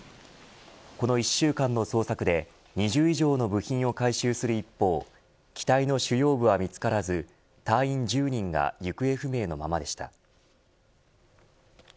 この１週間の捜索で、２０以上の部品を回収する一方機体の主要部は見つからず隊員１０人が行方不明のままでした。